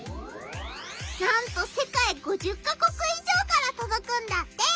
なんと世界５０か国以上からとどくんだって！